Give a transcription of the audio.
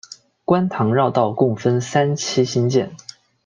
观塘绕道共分三期兴建。